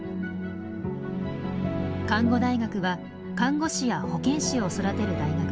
看護大学は看護師や保健師を育てる大学です。